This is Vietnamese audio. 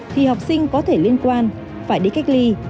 thì học sinh có thể liên quan phải đi cách ly